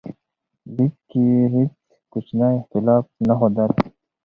لیک کې یې هیڅ کوچنی اختلاف نه ښودل.